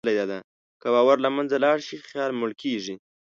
که باور له منځه لاړ شي، خیال مړ کېږي.